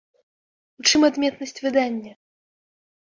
У чым адметнасць выдання?